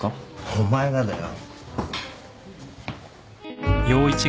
お前がだよ。